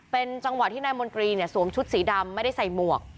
เป็นจังหวะที่นายมนตรีสวมชุดสีดำไม่ได้ใส่หมวก